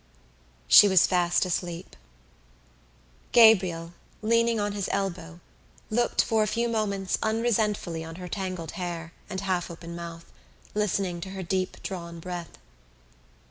She was fast asleep. Gabriel, leaning on his elbow, looked for a few moments unresentfully on her tangled hair and half open mouth, listening to her deep drawn breath.